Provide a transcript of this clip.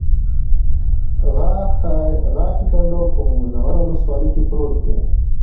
غاښی کنډو په منوره ولسوالۍ کې پروت دی